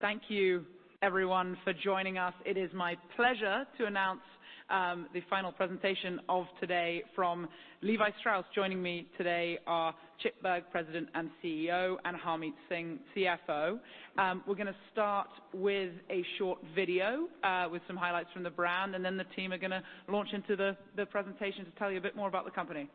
Thank you everyone for joining us. It is my pleasure to announce the final presentation of today from Levi Strauss. Joining me today are Chip Bergh, President and CEO, and Harmit Singh, CFO. We're going to start with a short video with some highlights from the brand. Then the team are going to launch into the presentation to tell you a bit more about the company.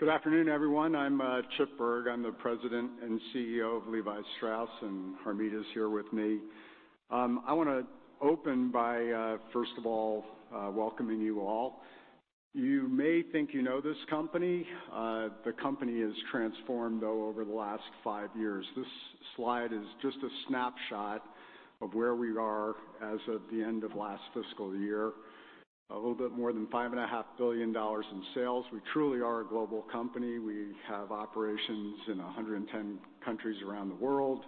Good afternoon, everyone. I'm Chip Bergh. I'm the President and CEO of Levi Strauss and Harmit is here with me. I want to open by, first of all, welcoming you all. You may think you know this company. The company has transformed, though, over the last five years. This slide is just a snapshot of where we are as of the end of last fiscal year. A little bit more than $5.5 billion in sales. We truly are a global company. We have operations in 110 countries around the world.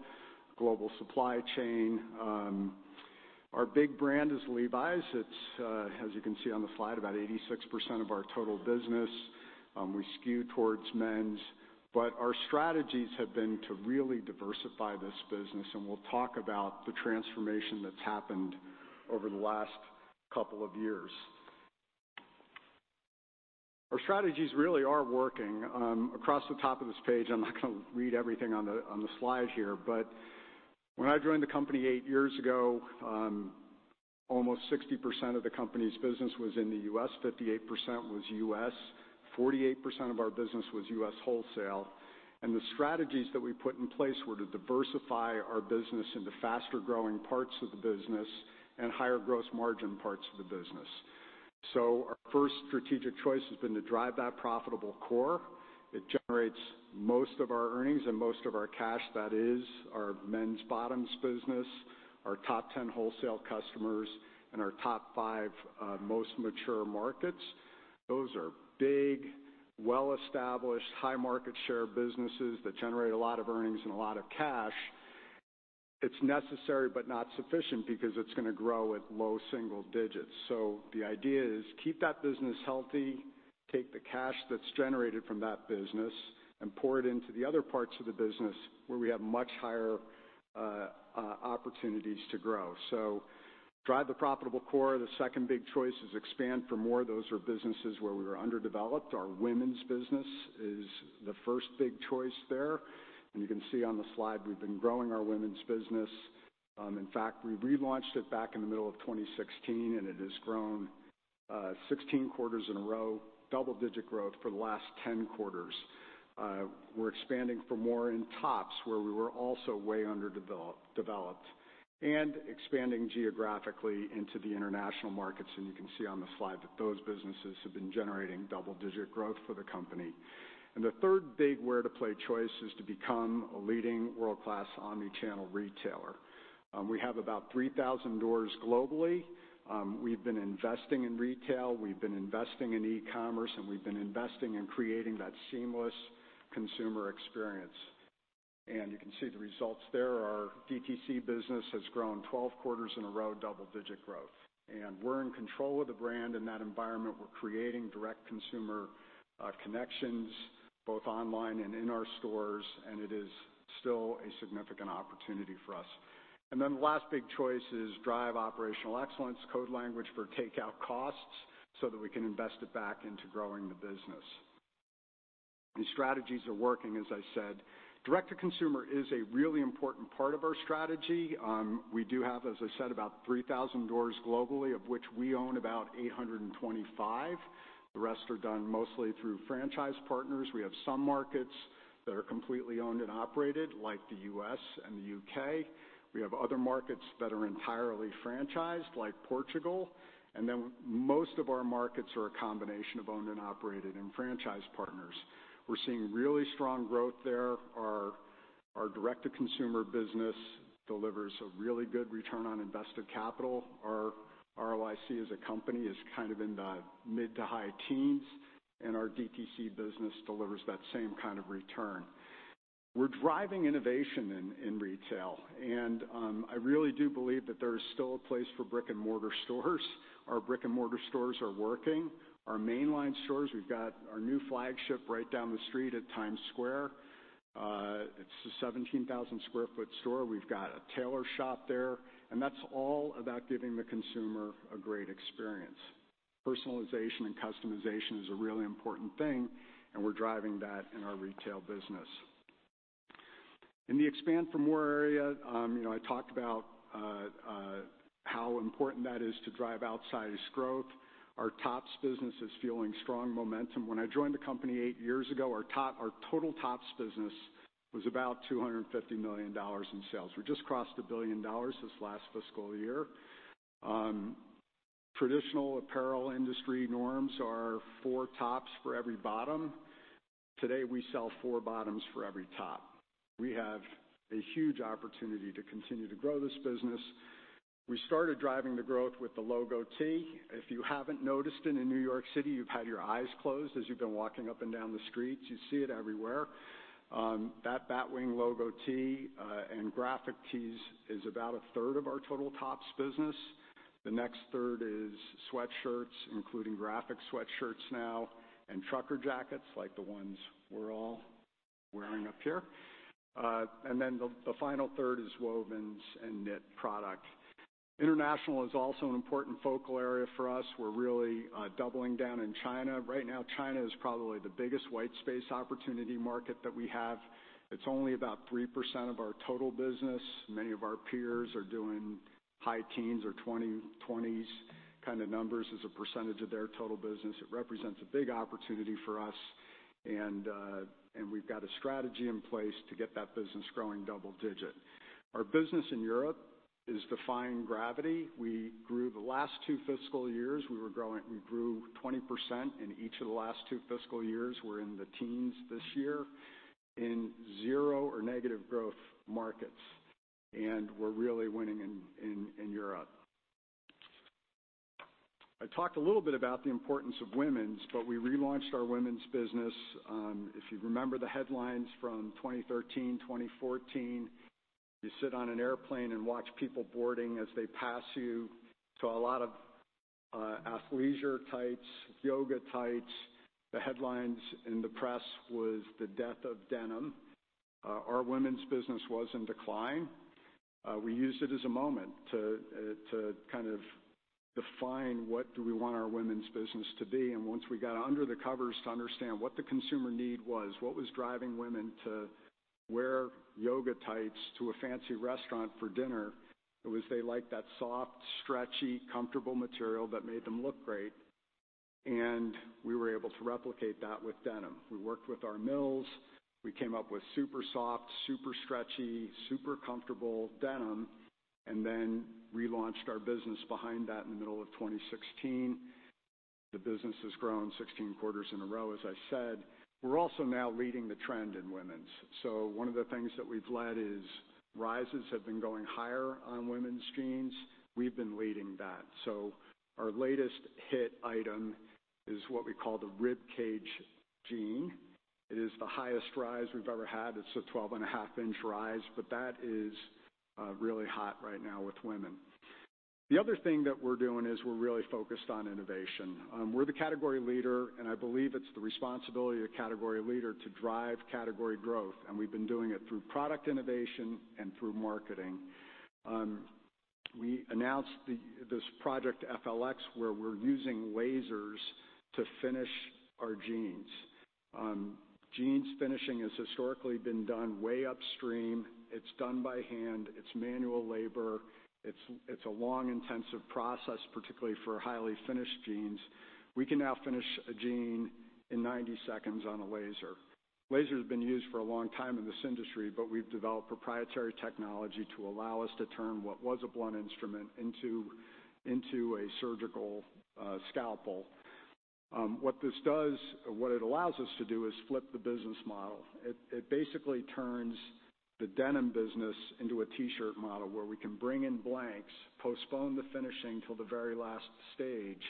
Global supply chain. Our big brand is Levi's. It's, as you can see on the slide, about 86% of our total business. We skew towards men's. Our strategies have been to really diversify this business, and we'll talk about the transformation that's happened over the last couple of years. Our strategies really are working. Across the top of this page, I'm not going to read everything on the slide here. When I joined the company eight years ago, almost 60% of the company's business was in the U.S. 58% was U.S., 48% of our business was U.S. wholesale. The strategies that we put in place were to diversify our business into faster growing parts of the business and higher gross margin parts of the business. Our first strategic choice has been to drive that profitable core. It generates most of our earnings and most of our cash. That is our men's bottoms business, our top 10 wholesale customers, and our top five most mature markets. Those are big, well-established, high market share businesses that generate a lot of earnings and a lot of cash. It's necessary but not sufficient because it's going to grow at low single digits. The idea is keep that business healthy, take the cash that's generated from that business, and pour it into the other parts of the business where we have much higher opportunities to grow. Drive the profitable core. The second big choice is expand for more. Those are businesses where we were underdeveloped. Our women's business is the first big choice there. You can see on the slide, we've been growing our women's business. In fact, we relaunched it back in the middle of 2016, and it has grown 16 quarters in a row, double digit growth for the last 10 quarters. We're expanding for more in tops, where we were also way underdeveloped, and expanding geographically into the international markets, and you can see on the slide that those businesses have been generating double digit growth for the company. The third big where to play choice is to become a leading world-class omni-channel retailer. We have about 3,000 doors globally. We've been investing in retail, we've been investing in e-commerce, and we've been investing in creating that seamless consumer experience. You can see the results there. Our DTC business has grown 12 quarters in a row, double-digit growth. We're in control of the brand in that environment. We're creating direct consumer connections, both online and in our stores, and it is still a significant opportunity for us. The last big choice is drive operational excellence, code language for take out costs so that we can invest it back into growing the business. These strategies are working, as I said. Direct to consumer is a really important part of our strategy. We do have, as I said, about 3,000 doors globally, of which we own about 825. The rest are done mostly through franchise partners. We have some markets that are completely owned and operated, like the U.S. and the U.K. We have other markets that are entirely franchised, like Portugal. Most of our markets are a combination of owned and operated and franchise partners. We're seeing really strong growth there. Our direct to consumer business delivers a really good return on invested capital. Our ROIC as a company is kind of in the mid to high teens, and our DTC business delivers that same kind of return. We're driving innovation in retail, and I really do believe that there is still a place for brick-and-mortar stores. Our brick-and-mortar stores are working. Our mainline stores, we've got our new flagship right down the street at Times Square. It's a 17,000 sq ft store. We've got a tailor shop there. That's all about giving the consumer a great experience. Personalization and customization is a really important thing. We're driving that in our retail business. In the expand for more area, I talked about how important that is to drive outsized growth. Our tops business is feeling strong momentum. When I joined the company eight years ago, our total tops business was about $250 million in sales. We just crossed $1 billion this last fiscal year. Traditional apparel industry norms are four tops for every bottom. Today, we sell four bottoms for every top. We have a huge opportunity to continue to grow this business. We started driving the growth with the logo tee. If you haven't noticed it in New York City, you've had your eyes closed as you've been walking up and down the streets. You see it everywhere. That Batwing Tee and graphic tees is about a third of our total tops business. The next third is sweatshirts, including graphic sweatshirts now, and trucker jackets like the ones we're all wearing up here. The final third is wovens and knit product. International is also an important focal area for us. We're really doubling down in China. Right now, China is probably the biggest white space opportunity market that we have. It's only about 3% of our total business. Many of our peers are doing high teens or 20s kind of numbers as a percentage of their total business. It represents a big opportunity for us, and we've got a strategy in place to get that business growing double-digit. Our business in Europe is defying gravity. We grew the last two fiscal years. We grew 20% in each of the last two fiscal years. We're in the teens this year in zero or negative growth markets, and we're really winning in Europe. I talked a little bit about the importance of women's, but we relaunched our women's business. If you remember the headlines from 2013, 2014, you sit on an airplane and watch people boarding as they pass you. A lot of athleisure types, yoga types. The headlines in the press was the death of denim. Our women's business was in decline. We used it as a moment to kind of define what do we want our women's business to be. Once we got under the covers to understand what the consumer need was, what was driving women to wear yoga tights to a fancy restaurant for dinner, it was they liked that soft, stretchy, comfortable material that made them look great, and we were able to replicate that with denim. We worked with our mills. We came up with super soft, super stretchy, super comfortable denim, and then relaunched our business behind that in the middle of 2016. The business has grown 16 quarters in a row, as I said. We're also now leading the trend in women's. One of the things that we've led is rises have been going higher on women's jeans. We've been leading that. Our latest hit item is what we call the Ribcage Jean. It is the highest rise we've ever had. It's a 12.5 in rise, that is really hot right now with women. The other thing that we're doing is we're really focused on innovation. We're the category leader, I believe it's the responsibility of category leader to drive category growth. We've been doing it through product innovation and through marketing. We announced this Project F.L.X., where we're using lasers to finish our jeans. Jeans finishing has historically been done way upstream. It's done by hand. It's manual labor. It's a long, intensive process, particularly for highly finished jeans. We can now finish a jean in 90 seconds on a laser. Laser has been used for a long time in this industry, we've developed proprietary technology to allow us to turn what was a blunt instrument into a surgical scalpel. What it allows us to do is flip the business model. It basically turns the denim business into a T-shirt model where we can bring in blanks, postpone the finishing till the very last stage,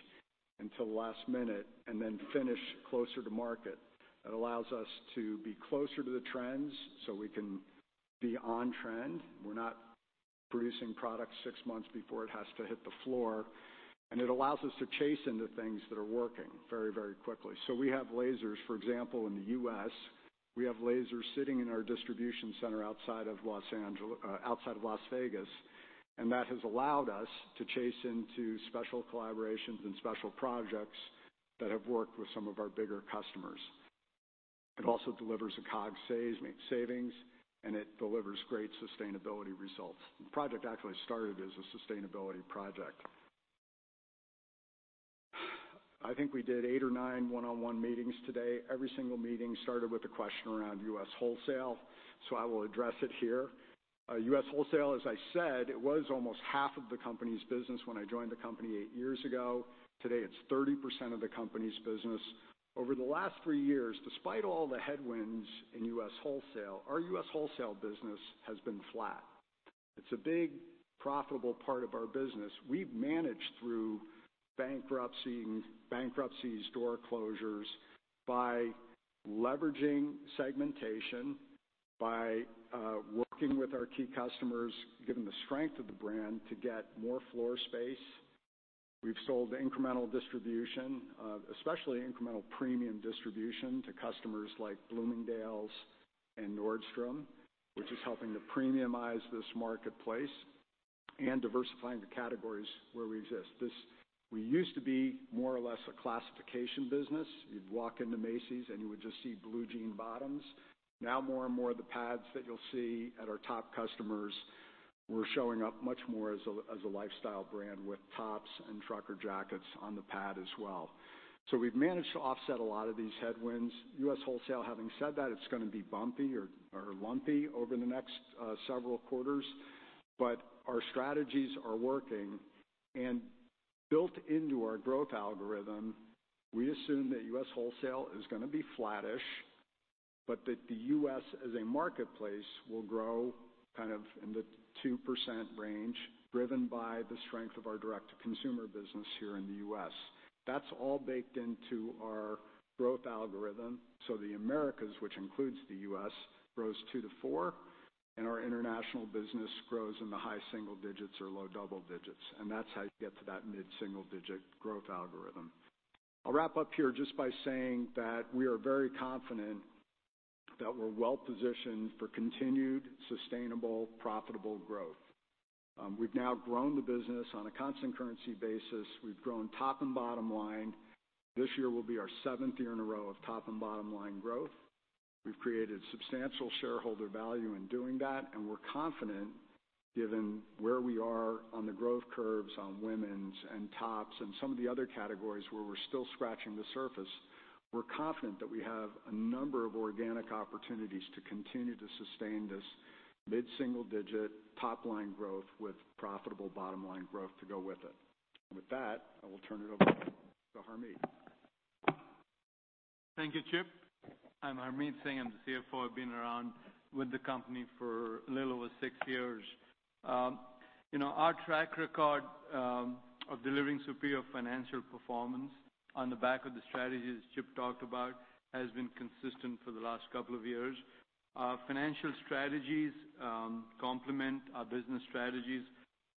until the last minute, and then finish closer to market. It allows us to be closer to the trends so we can be on trend. We're not producing product six months before it has to hit the floor. It allows us to chase into things that are working very, very quickly. We have lasers, for example, in the U.S. We have lasers sitting in our distribution center outside of Las Vegas, and that has allowed us to chase into special collaborations and special projects that have worked with some of our bigger customers. It also delivers a COGS savings, and it delivers great sustainability results. The project actually started as a sustainability project. I think we did eight or nine one-on-one meetings today. Every single meeting started with a question around U.S. wholesale. I will address it here. U.S. wholesale, as I said, it was almost half of the company's business when I joined the company eight years ago. Today, it's 30% of the company's business. Over the last three years, despite all the headwinds in U.S. wholesale, our U.S. wholesale business has been flat. It's a big profitable part of our business. We've managed through bankruptcies, store closures by leveraging segmentation, by working with our key customers, given the strength of the brand to get more floor space. We've sold incremental distribution, especially incremental premium distribution to customers like Bloomingdale's and Nordstrom, which is helping to premiumize this marketplace and diversifying the categories where we exist. We used to be more or less a classification business. You'd walk into Macy's and you would just see blue jean bottoms. Now more and more of the pads that you'll see at our top customers, we're showing up much more as a lifestyle brand with tops and trucker jackets on the pad as well. We've managed to offset a lot of these headwinds. U.S. wholesale, having said that, it's going to be bumpy or lumpy over the next several quarters. Our strategies are working. Built into our growth algorithm, we assume that U.S. wholesale is going to be flattish, but that the U.S. as a marketplace will grow kind of in the 2% range, driven by the strength of our direct-to-consumer business here in the U.S. That's all baked into our growth algorithm. The Americas, which includes the U.S., grows 2%-4%, and our international business grows in the high single digits or low double digits. That's how you get to that mid-single-digit growth algorithm. I'll wrap up here just by saying that we are very confident that we're well positioned for continued, sustainable, profitable growth. We've now grown the business on a constant currency basis. We've grown top and bottom line. This year will be our seventh year in a row of top and bottom line growth. We've created substantial shareholder value in doing that, and we're confident given where we are on the growth curves on women's and tops and some of the other categories where we're still scratching the surface. We're confident that we have a number of organic opportunities to continue to sustain this mid-single-digit top line growth with profitable bottom line growth to go with it. With that, I will turn it over to Harmit. Thank you, Chip. I'm Harmit Singh. I'm the CFO. I've been around with the company for a little over six years. Our track record of delivering superior financial performance on the back of the strategies Chip talked about has been consistent for the last couple of years. Our financial strategies complement our business strategies.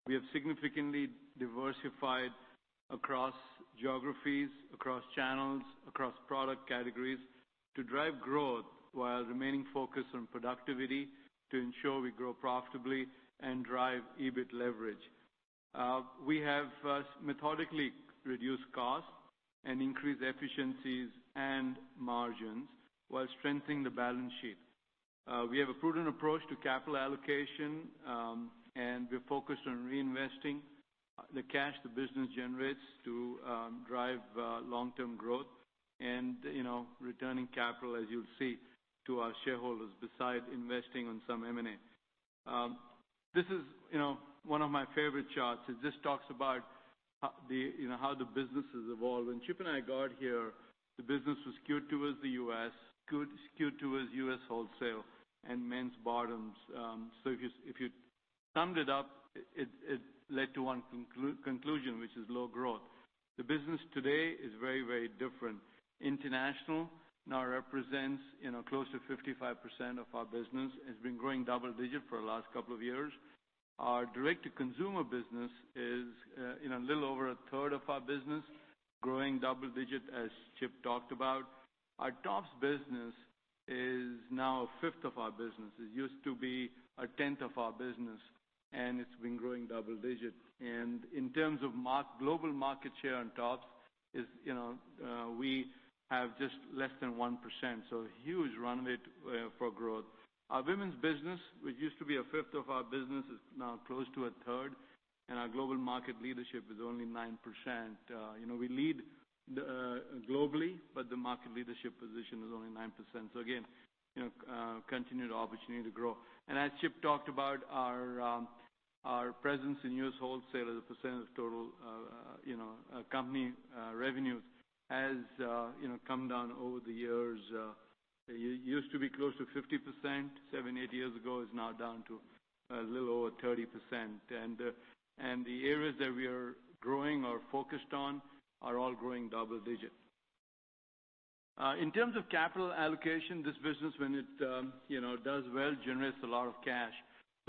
We have significantly diversified across geographies, across channels, across product categories to drive growth while remaining focused on productivity to ensure we grow profitably and drive EBIT leverage. We have methodically reduced costs and increased efficiencies and margins while strengthening the balance sheet. We have a prudent approach to capital allocation, and we're focused on reinvesting the cash the business generates to drive long-term growth and returning capital, as you'll see, to our shareholders besides investing on some M&A. This is one of my favorite charts. It just talks about how the business has evolved. When Chip and I got here, the business was skewed towards the U.S., skewed towards U.S. wholesale and men's bottoms. If you summed it up, it led to one conclusion, which is low growth. The business today is very different. International now represents close to 55% of our business. It's been growing double digit for the last couple of years. Our direct-to-consumer business is a little over a third of our business, growing double digit as Chip talked about. Our tops business is now a fifth of our business. It used to be a tenth of our business, and it's been growing double digit. In terms of global market share on tops, we have just less than 1%, so huge runway for growth. Our women's business, which used to be a fifth of our business, is now close to a third, and our global market leadership is only 9%. We lead globally, but the market leadership position is only 9%. Again, continued opportunity to grow. As Chip talked about, our presence in U.S. wholesale as a percent of total company revenues has come down over the years. It used to be close to 50%, seven, eight years ago. It's now down to a little over 30%. The areas that we are growing or focused on are all growing double digit. In terms of capital allocation, this business when it does well, generates a lot of cash.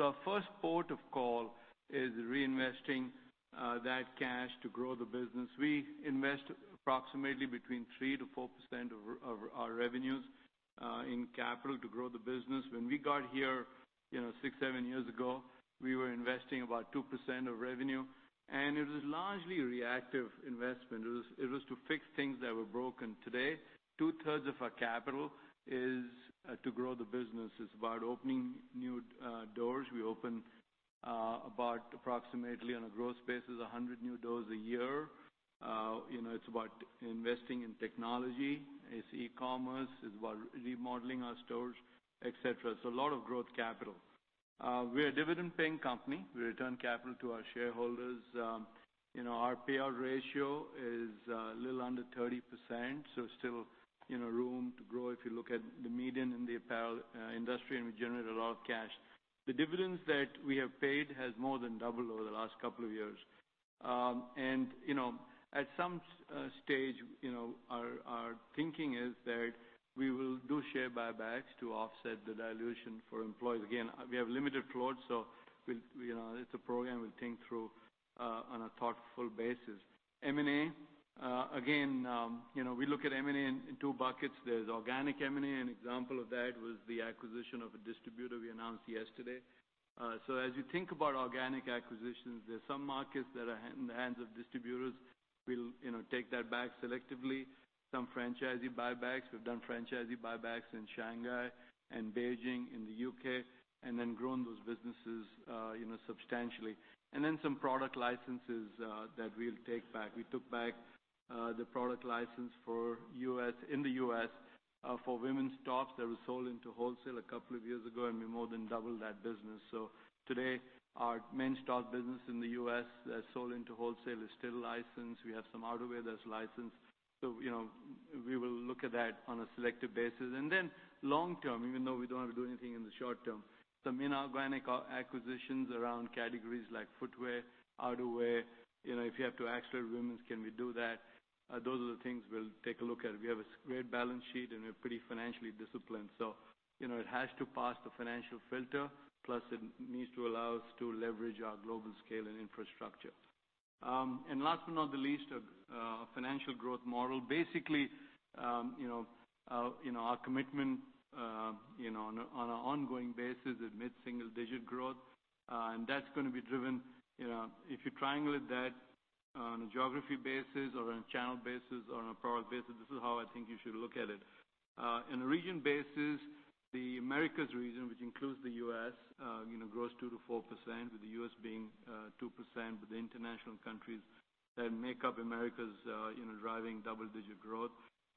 Our first port of call is reinvesting that cash to grow the business. We invest approximately between 3%-4% of our revenues in capital to grow the business. When we got here six, seven years ago, we were investing about 2% of revenue, and it was largely reactive investment. It was to fix things that were broken. Today, 2/3 of our capital is to grow the business. It's about opening new doors. We open about approximately on a gross basis, 100 new doors a year. It's about investing in technology. It's e-commerce. It's about remodeling our stores, et cetera. A lot of growth capital. We're a dividend-paying company. We return capital to our shareholders. Our payout ratio is a little under 30%, so still room to grow if you look at the median in the apparel industry, and we generate a lot of cash. The dividends that we have paid has more than doubled over the last couple of years. At some stage, our thinking is that we will do share buybacks to offset the dilution for employees. Again, we have limited floors, so it's a program we'll think through on a thoughtful basis. M&A, again, we look at M&A in two buckets. There's organic M&A. An example of that was the acquisition of a distributor we announced yesterday. As you think about organic acquisitions, there's some markets that are in the hands of distributors. We'll take that back selectively. Some franchisee buybacks. We've done franchisee buybacks in Shanghai and Beijing, in the U.K., then grown those businesses substantially. Then some product licenses that we'll take back. We took back the product license in the U.S. for women's tops that was sold into wholesale a couple of years ago. We more than doubled that business. Today, our men's top business in the U.S. that's sold into wholesale is still licensed. We have some outerwear that's licensed. We will look at that on a selective basis. Long term, even though we don't have to do anything in the short term, some inorganic acquisitions around categories like footwear, outerwear. If you have to accelerate women's, can we do that? Those are the things we'll take a look at. We have a great balance sheet. We're pretty financially disciplined. It has to pass the financial filter, plus it needs to allow us to leverage our global scale and infrastructure, last but not the least, a financial growth model. Basically, our commitment, on an ongoing basis is mid-single digit growth. That's going to be driven, if you triangle it, that on a geography basis or on a channel basis or on a product basis, this is how I think you should look at it. In a region basis, the Americas region, which includes the U.S., grows 2%-4%, with the U.S. being 2%, with the international countries that make up Americas driving double-digit growth.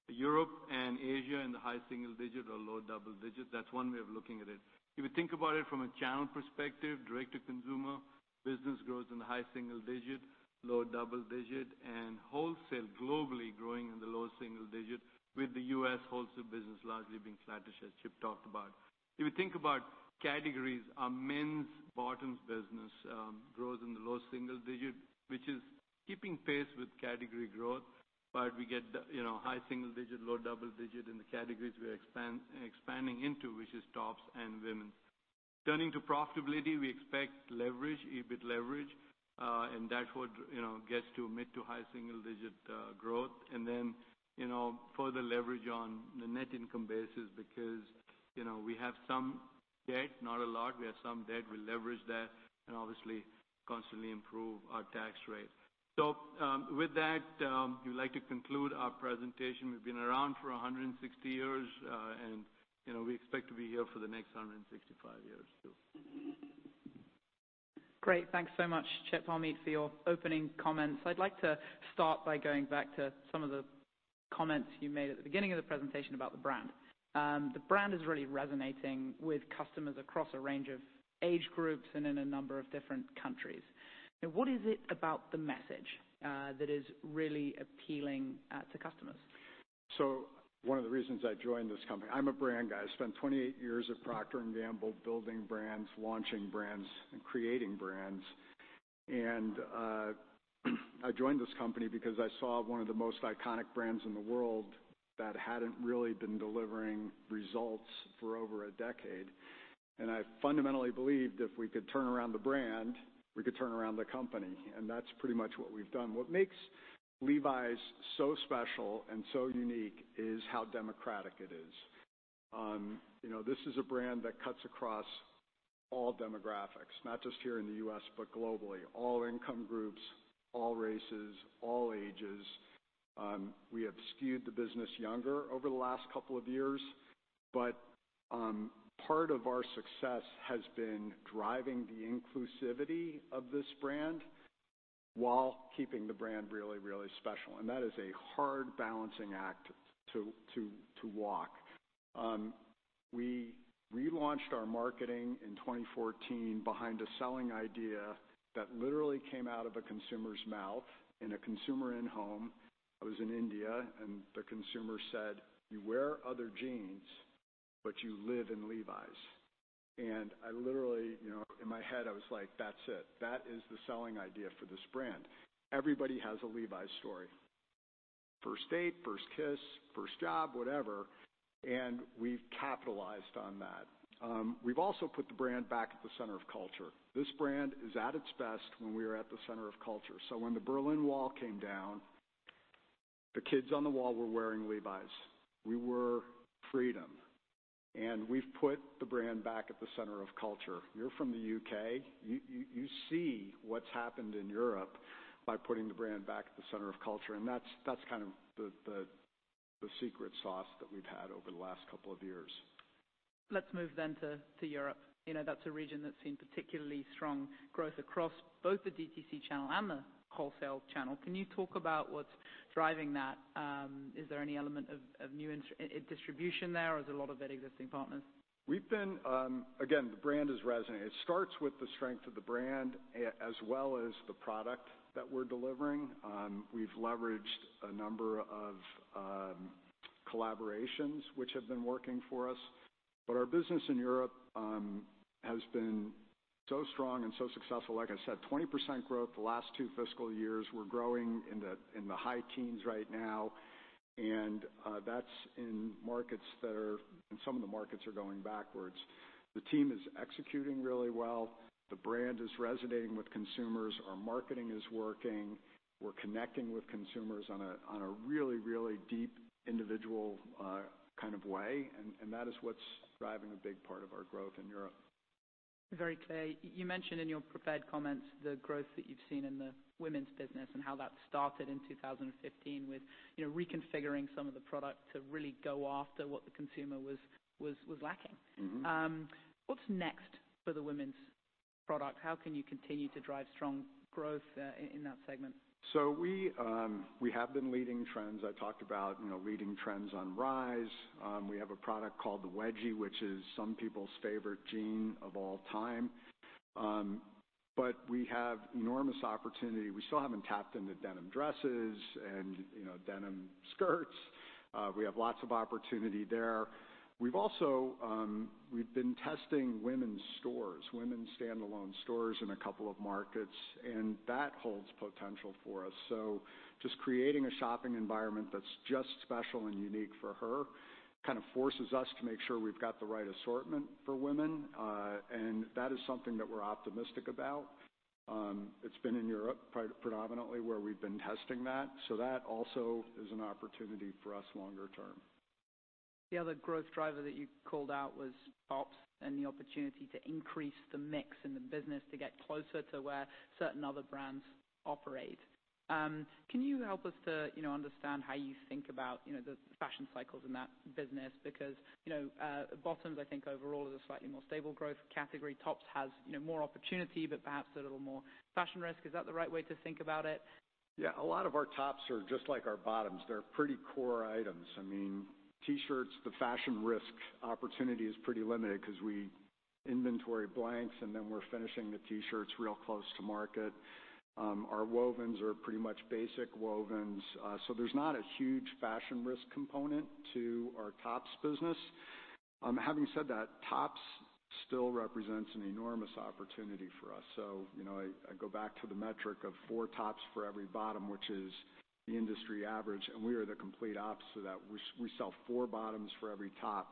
Europe and Asia in the high single digit or low double digits. That's one way of looking at it. If you think about it from a channel perspective, direct to consumer, business grows in the high single digit, low double digit, and wholesale globally growing in the low single digit with the U.S. wholesale business largely being flat, as Chip talked about. If you think about categories, our men's bottoms business grows in the low single-digit, which is keeping pace with category growth. We get high single-digit, low double-digit in the categories we're expanding into, which is tops and women's. Turning to profitability, we expect leverage, EBIT leverage, that would get to mid-to-high single-digit growth. Further leverage on the net income basis because we have some debt, not a lot. We have some debt. We leverage that and obviously constantly improve our tax rate. With that, we'd like to conclude our presentation. We've been around for 160 years, and we expect to be here for the next 165 years, too. Great. Thanks so much, Chip, Harmit, for your opening comments. I'd like to start by going back to some of the comments you made at the beginning of the presentation about the brand. The brand is really resonating with customers across a range of age groups and in a number of different countries. What is it about the message that is really appealing to customers? One of the reasons I joined this company, I'm a brand guy. I spent 28 years at Procter & Gamble building brands, launching brands, and creating brands. I joined this company because I saw one of the most iconic brands in the world that hadn't really been delivering results for over a decade. I fundamentally believed if we could turn around the brand, we could turn around the company. That's pretty much what we've done. What makes Levi's so special and so unique is how democratic it is. This is a brand that cuts across all demographics, not just here in the U.S., but globally. All income groups, all races, all ages. We have skewed the business younger over the last couple of years, but part of our success has been driving the inclusivity of this brand while keeping the brand really, really special. That is a hard balancing act to walk. We relaunched our marketing in 2014 behind a selling idea that literally came out of a consumer's mouth in a consumer end home. I was in India, the consumer said, "You wear other jeans, but you live in Levi's." I literally, in my head, I was like, "That's it. That is the selling idea for this brand." Everybody has a Levi's story. First date, first kiss, first job, whatever, we've capitalized on that. We've also put the brand back at the center of culture. This brand is at its best when we are at the center of culture. When the Berlin Wall came down, the kids on the wall were wearing Levi's. We were freedom, we've put the brand back at the center of culture. You're from the U.K. You see what's happened in Europe by putting the brand back at the center of culture, and that's kind of the secret sauce that we've had over the last couple of years. Let's move to Europe. That's a region that's seen particularly strong growth across both the DTC channel and the wholesale channel. Can you talk about what's driving that? Is there any element of new distribution there, or is a lot of that existing partners? Again, the brand is resonating. It starts with the strength of the brand as well as the product that we're delivering. We've leveraged a number of collaborations which have been working for us. Our business in Europe has been so strong and so successful. Like I said, 20% growth the last two fiscal years. We're growing in the high teens right now, and that's in markets. Some of the markets are going backwards. The team is executing really well. The brand is resonating with consumers. Our marketing is working. We're connecting with consumers in a really deep, individual kind of way, and that is what's driving a big part of our growth in Europe. Very clear. You mentioned in your prepared comments the growth that you've seen in the women's business and how that started in 2015 with reconfiguring some of the product to really go after what the consumer was lacking. What's next for the women's product? How can you continue to drive strong growth in that segment? We have been leading trends. I talked about leading trends on Rise. We have a product called the Wedgie, which is some people's favorite jean of all time. We have enormous opportunity. We still haven't tapped into denim dresses and denim skirts. We have lots of opportunity there. We've been testing women's stores, women's standalone stores in a couple of markets, and that holds potential for us. Just creating a shopping environment that's just special and unique for her, kind of forces us to make sure we've got the right assortment for women. That is something that we're optimistic about. It's been in Europe, predominantly, where we've been testing that. That also is an opportunity for us longer term. The other growth driver that you called out was tops and the opportunity to increase the mix in the business to get closer to where certain other brands operate. Can you help us to understand how you think about the fashion cycles in that business? Because bottoms, I think overall, is a slightly more stable growth category. Tops has more opportunity, but perhaps a little more fashion risk. Is that the right way to think about it? Yeah. A lot of our tops are just like our bottoms. They're pretty core items. T-shirts, the fashion risk opportunity is pretty limited because we inventory blanks, and then we're finishing the T-shirts real close to market. Our wovens are pretty much basic wovens. There's not a huge fashion risk component to our tops business. Having said that, tops still represents an enormous opportunity for us. I go back to the metric of four tops for every bottom, which is the industry average, and we are the complete opposite of that. We sell four bottoms for every top.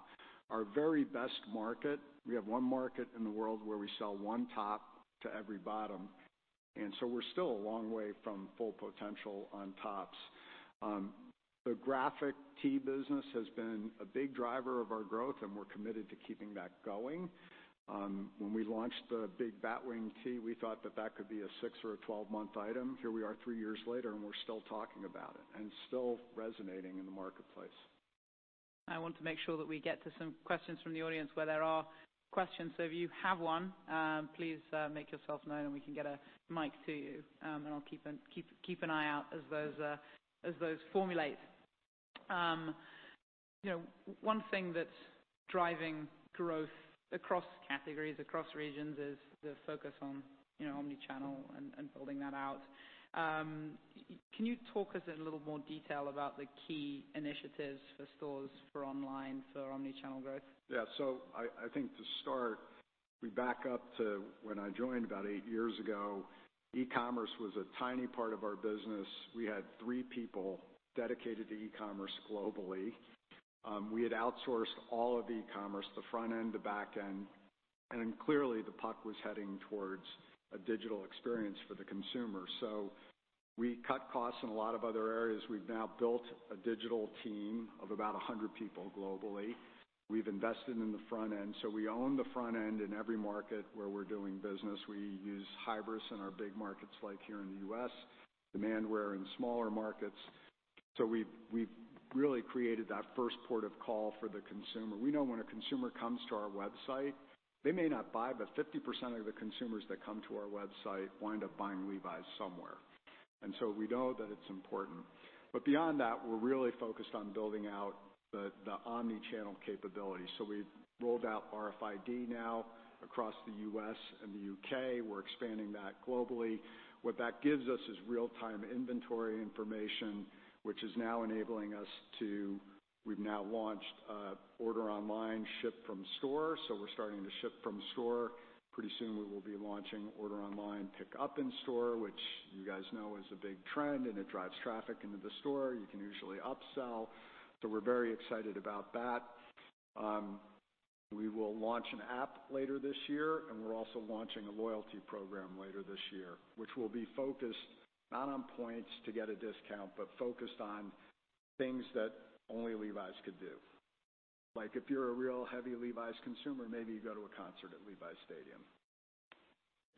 Our very best market, we have one market in the world where we sell one top to every bottom, we're still a long way from full potential on tops. The graphic tee business has been a big driver of our growth, and we're committed to keeping that going. When we launched the big Batwing Tee, we thought that that could be a six or a 12-month item. Here we are three years later, and we're still talking about it, and it's still resonating in the marketplace. I want to make sure that we get to some questions from the audience where there are questions. If you have one, please make yourself known, and we can get a mic to you. I'll keep an eye out as those formulate. One thing that's driving growth across categories, across regions is the focus on omni-channel and building that out. Can you talk us in a little more detail about the key initiatives for stores, for online, for omni-channel growth? Yeah. I think to start, we back up to when I joined about eight years ago, e-commerce was a tiny part of our business. We had three people dedicated to e-commerce globally. We had outsourced all of e-commerce, the front end, the back end, and clearly, the puck was heading towards a digital experience for the consumer. We cut costs in a lot of other areas. We've now built a digital team of about 100 people globally. We've invested in the front end, so we own the front end in every market where we're doing business. We use Hybris in our big markets, like here in the U.S., Demandware in smaller markets. We've really created that first port of call for the consumer. We know when a consumer comes to our website, they may not buy, but 50% of the consumers that come to our website wind up buying Levi's somewhere, and so we know that it's important. Beyond that, we're really focused on building out the omni-channel capability. We rolled out RFID now across the U.S. and the U.K. We're expanding that globally. What that gives us is real-time inventory information. We've now launched order online, ship from store. We're starting to ship from store. Pretty soon, we will be launching order online, pick up in store, which you guys know is a big trend, and it drives traffic into the store. You can usually upsell. We're very excited about that. We will launch an app later this year, and we're also launching a loyalty program later this year, which will be focused not on points to get a discount, but focused on things that only Levi's could do. Like if you're a real heavy Levi's consumer, maybe you go to a concert at Levi's Stadium.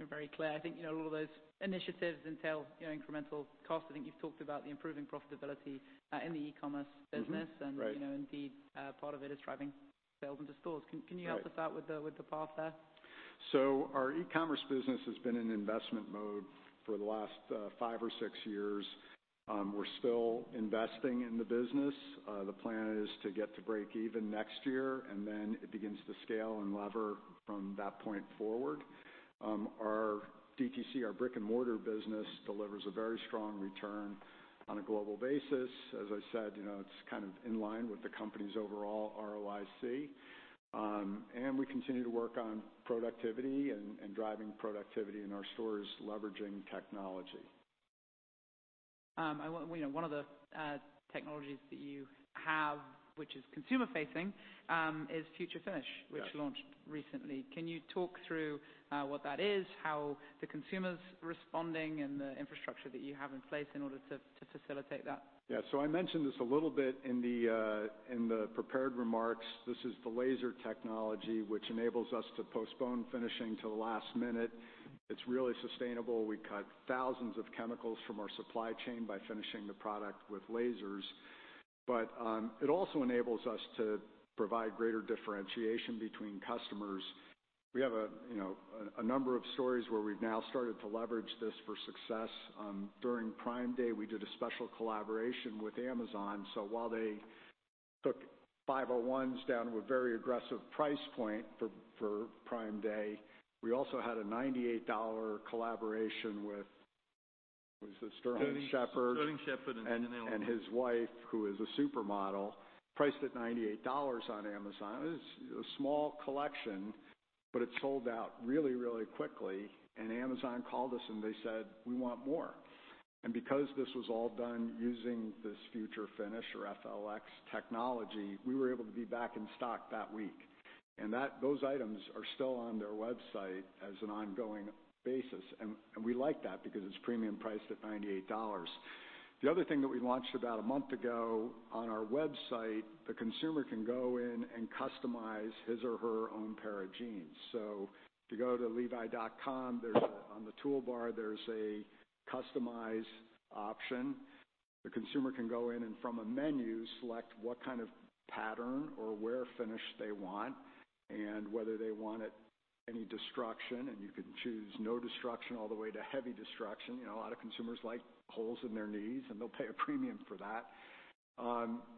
Very clear. I think all of those initiatives entail incremental cost. I think you've talked about the improving profitability, in the e-commerce business. Right Indeed, part of it is driving sales into stores. Can you help us out with the path there? Our e-commerce business has been in investment mode for the last five or six years, we're still investing in the business. The plan is to get to break even next year, and then it begins to scale and lever from that point forward. Our DTC, our brick and mortar business, delivers a very strong return on a global basis. As I said, it's kind of in line with the company's overall ROIC. We continue to work on productivity and driving productivity in our stores, leveraging technology. One of the technologies that you have, which is consumer facing, is Future Finish. Yes. Which launched recently. Can you talk through what that is, how the consumer's responding, and the infrastructure that you have in place in order to facilitate that? Yeah. I mentioned this a little bit in the prepared remarks. This is the laser technology, which enables us to postpone finishing till the last minute. It's really sustainable. We cut thousands of chemicals from our supply chain by finishing the product with lasers. It also enables us to provide greater differentiation between customers. We have a number of stories where we've now started to leverage this for success. During Prime Day, we did a special collaboration with Amazon. While they took 501s down to a very aggressive price point for Prime Day, we also had a $98 collaboration with, was it Sterling Shepard? Sterling Shepard and Emily. His wife, who is a supermodel, priced at $98 on Amazon. It was a small collection, but it sold out really quickly, and Amazon called us and they said, "We want more." Because this was all done using this Future Finish or F.L.X. technology, we were able to be back in stock that week. Those items are still on their website as an ongoing basis. We like that because it's premium priced at $98. The other thing that we launched about a month ago on our website, the consumer can go in and customize his or her own pair of jeans. If you go to levi.com, on the toolbar, there's a customize option. The consumer can go in. From a menu select what kind of pattern or wear finish they want. Whether they want any destruction, you can choose no destruction all the way to heavy destruction. A lot of consumers like holes in their knees. They'll pay a premium for that.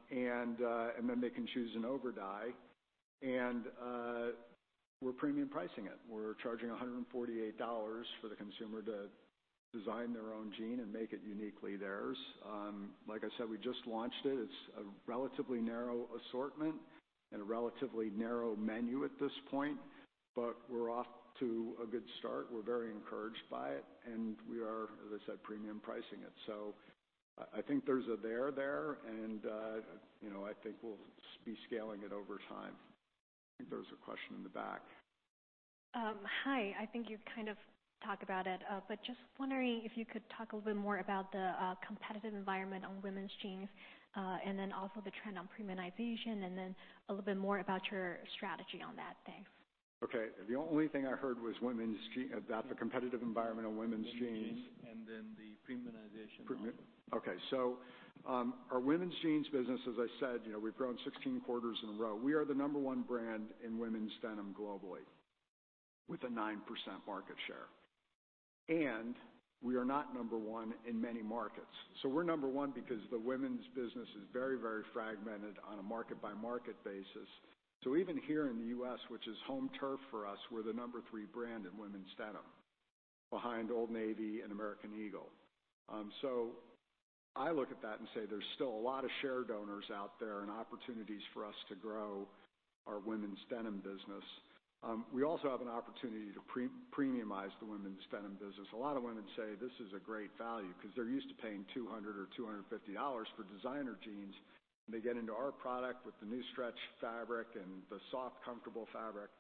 They can choose an overdye. We're premium pricing it. We're charging $148 for the consumer to design their own jean and make it uniquely theirs. Like I said, we just launched it. It's a relatively narrow assortment and a relatively narrow menu at this point. We're off to a good start. We're very encouraged by it. We are, as I said, premium pricing it. I think there's a there there. I think we'll be scaling it over time. I think there was a question in the back. Hi. I think you've kind of talked about it, but just wondering if you could talk a little bit more about the competitive environment on women's jeans, and then also the trend on premiumization, and then a little bit more about your strategy on that, thanks? Okay. The only thing I heard was about the competitive environment on women's jeans. Women's jeans, and then the premiumization also. Okay. Our women's jeans business, as I said, we've grown 16 quarters in a row. We are the number one brand in women's denim globally, with a 9% market share. We are not number one in many markets. We're number one because the women's business is very fragmented on a market by market basis. Even here in the U.S., which is home turf for us, we're the number three brand in women's denim, behind Old Navy and American Eagle. I look at that and say there's still a lot of share donors out there and opportunities for us to grow our women's denim business. We also have an opportunity to premiumize the women's denim business. A lot of women say this is a great value because they're used to paying $200 or $250 for designer jeans. They get into our product with the new stretch fabric and the soft, comfortable fabric,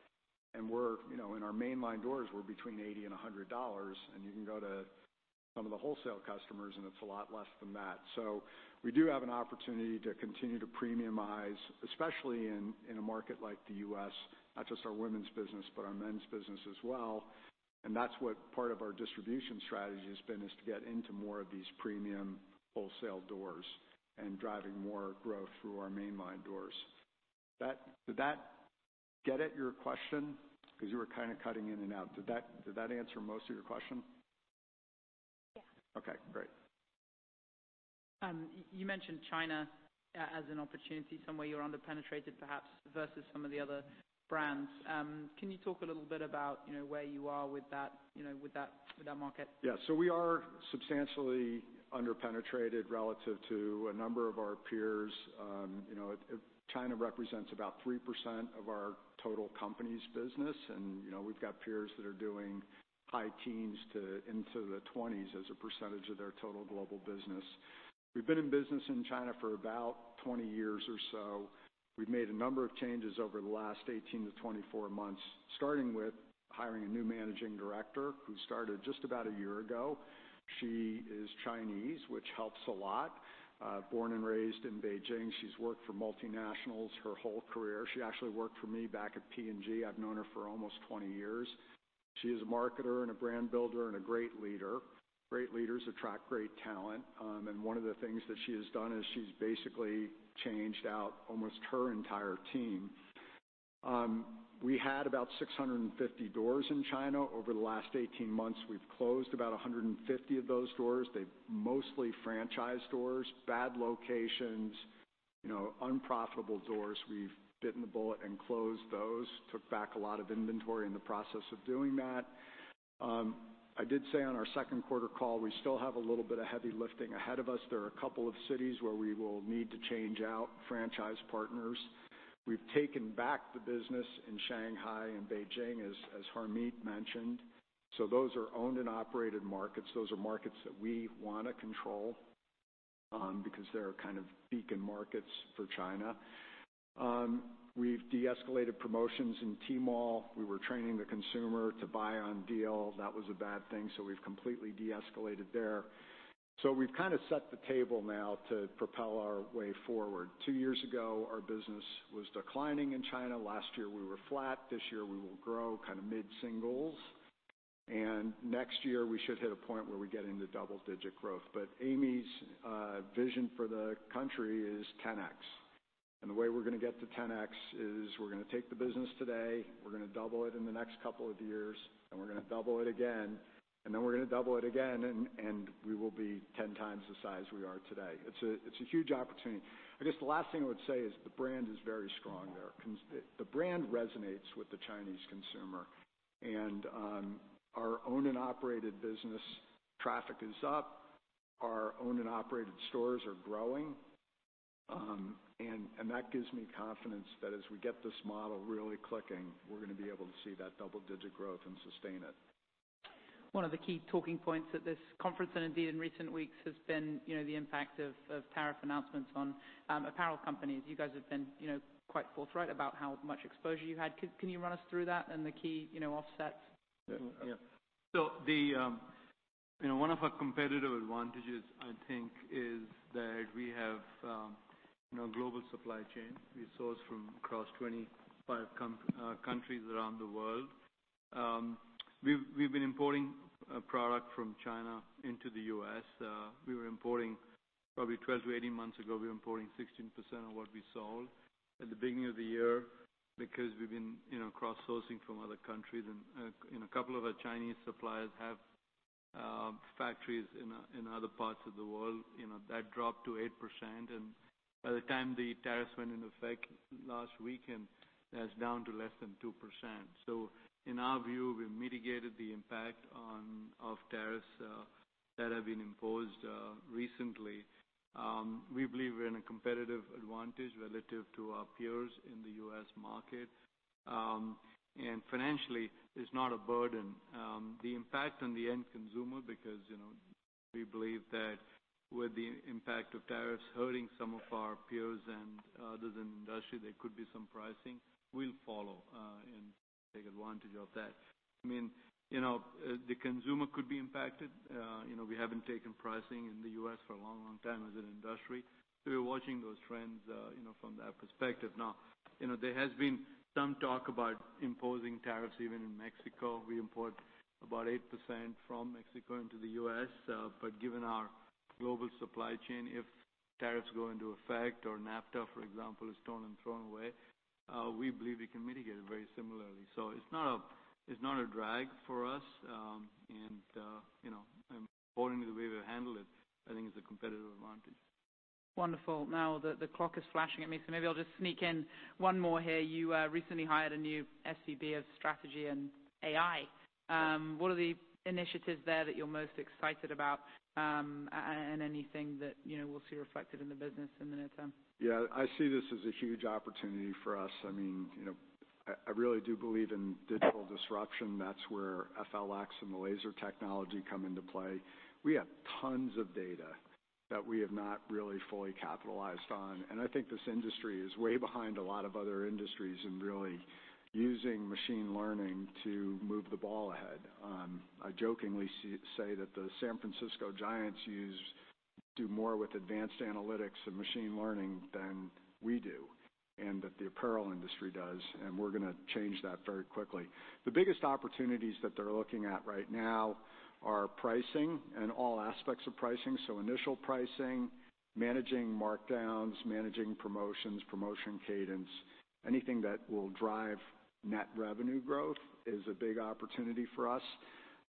and in our mainline doors, we're between $80 and $100, and you can go to some of the wholesale customers and it's a lot less than that. We do have an opportunity to continue to premiumize, especially in a market like the U.S., not just our women's business, but our men's business as well. That's what part of our distribution strategy has been, is to get into more of these premium wholesale doors and driving more growth through our mainline doors. Did that get at your question? Because you were kind of cutting in and out. Did that answer most of your question? Yeah. Okay, great. You mentioned China as an opportunity, somewhere you're under-penetrated, perhaps, versus some of the other brands. Can you talk a little bit about where you are with that market? We are substantially under-penetrated relative to a number of our peers. China represents about 3% of our total company's business, and we've got peers that are doing high teens into the 20s as a percentage of their total global business. We've been in business in China for about 20 years or so. We've made a number of changes over the last 18 to 24 months, starting with hiring a new managing director who started just about a year ago. She is Chinese, which helps a lot. Born and raised in Beijing. She's worked for multinationals her whole career. She actually worked for me back at P&G. I've known her for almost 20 years. She is a marketer and a brand builder and a great leader. Great leaders attract great talent. One of the things that she has done is she's basically changed out almost her entire team. We had about 650 doors in China over the last 18 months. We've closed about 150 of those doors. They're mostly franchise doors, bad locations, unprofitable doors. We've bitten the bullet and closed those, took back a lot of inventory in the process of doing that. I did say on our second quarter call, we still have a little bit of heavy lifting ahead of us. There are a couple of cities where we will need to change out franchise partners. We've taken back the business in Shanghai and Beijing, as Harmit mentioned. Those are owned and operated markets. Those are markets that we want to control because they are kind of beacon markets for China. We've deescalated promotions in Tmall. We were training the consumer to buy on deal. That was a bad thing. We've completely deescalated there. We've set the table now to propel our way forward. Two years ago, our business was declining in China. Last year, we were flat. This year, we will grow mid-singles. Next year, we should hit a point where we get into double-digit growth. Amy's vision for the country is 10X. The way we're going to get to 10X is we're going to take the business today, we're going to double it in the next couple of years, and we're going to double it again, and then we're going to double it again, and we will be 10 times the size we are today. It's a huge opportunity. I guess the last thing I would say is the brand is very strong there. The brand resonates with the Chinese consumer. Our owned and operated business traffic is up. Our owned and operated stores are growing. That gives me confidence that as we get this model really clicking, we're going to be able to see that double-digit growth and sustain it. One of the key talking points at this conference, and indeed in recent weeks, has been the impact of tariff announcements on apparel companies. You guys have been quite forthright about how much exposure you had. Can you run us through that and the key offsets? Yeah. One of our competitive advantages, I think, is that we have a global supply chain. We source from across 25 countries around the world. We've been importing product from China into the U.S. Probably 12 to 18 months ago, we were importing 16% of what we sold. At the beginning of the year, because we've been cross-sourcing from other countries and a couple of our Chinese suppliers have factories in other parts of the world, that dropped to 8%. By the time the tariffs went into effect last week, that's down to less than 2%. In our view, we've mitigated the impact of tariffs that have been imposed recently. We believe we're in a competitive advantage relative to our peers in the U.S. market. Financially, it's not a burden. The impact on the end consumer, because we believe that with the impact of tariffs hurting some of our peers and others in the industry, there could be some pricing. We'll follow and take advantage of that. The consumer could be impacted. We haven't taken pricing in the U.S. for a long, long time as an industry. We're watching those trends from that perspective. There has been some talk about imposing tariffs even in Mexico. We import about 8% from Mexico into the U.S. Given our global supply chain, if tariffs go into effect or NAFTA, for example, is torn and thrown away, we believe we can mitigate it very similarly. It's not a drag for us. Importantly, the way we handle it, I think is a competitive advantage. Wonderful. Now the clock is flashing at me, so maybe I'll just sneak in one more here. You recently hired a new SVP of strategy and AI. What are the initiatives there that you're most excited about? Anything that we'll see reflected in the business in the near term? Yeah, I see this as a huge opportunity for us. I really do believe in digital disruption. That's where F.L.X. and the laser technology come into play. We have tons of data that we have not really fully capitalized on, and I think this industry is way behind a lot of other industries in really using machine learning to move the ball ahead. I jokingly say that the San Francisco Giants do more with advanced analytics and machine learning than we do, and that the apparel industry does. We're going to change that very quickly. The biggest opportunities that they're looking at right now are pricing and all aspects of pricing. Initial pricing, managing markdowns, managing promotions, promotion cadence, anything that will drive net revenue growth is a big opportunity for us.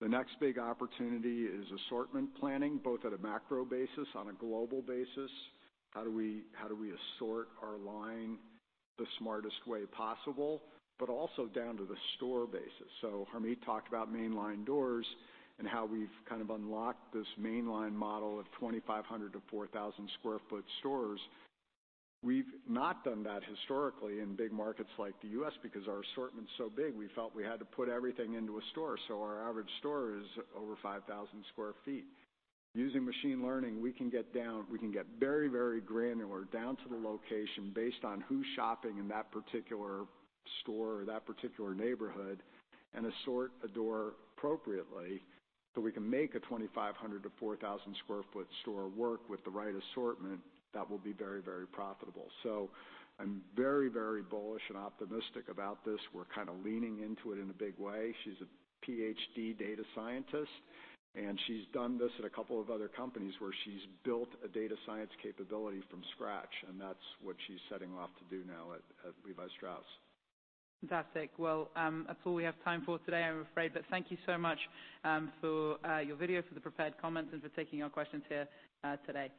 The next big opportunity is assortment planning, both at a macro basis, on a global basis. How do we assort our line the smartest way possible, but also down to the store basis. Harmit talked about mainline doors and how we've kind of unlocked this mainline model of 2,500 sq ft to 4,000 sq ft stores. We've not done that historically in big markets like the U.S. because our assortment's so big, we felt we had to put everything into a store. Our average store is over 5,000 sq ft. Using machine learning, we can get very, very granular, down to the location based on who's shopping in that particular store or that particular neighborhood and assort a door appropriately so we can make a 2,500 sq ft to 4,000 sq ft store work with the right assortment that will be very, very profitable. I'm very, very bullish and optimistic about this. We're kind of leaning into it in a big way. She's a PhD data scientist, and she's done this at a couple of other companies where she's built a data science capability from scratch, and that's what she's setting off to do now at Levi Strauss. Fantastic. Well, that's all we have time for today, I'm afraid. Thank you so much for your video, for the prepared comments, and for taking our questions here today.